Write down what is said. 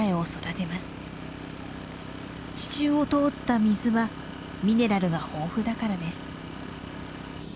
地中を通った水はミネラルが豊富だからです。